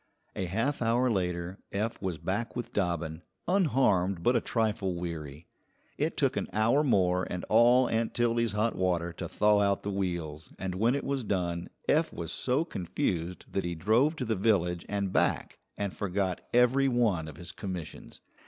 A half hour later Eph was back with Dobbin, unharmed but a trifle weary. It took an hour more and all Aunt Tildy's hot water to thaw out the wheels, and when it was done Eph was so confused that he drove to the village and back and forgot every one of his commissions.